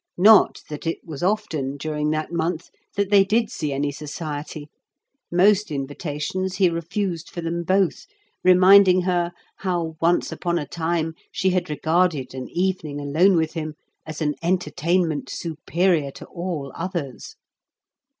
Not that it was often, during that month, that they did see any society; most invitations he refused for them both, reminding her how once upon a time she had regarded an evening alone with him as an entertainment superior to all others.